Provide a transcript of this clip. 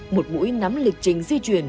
một mũi nắm lịch trình di chuyển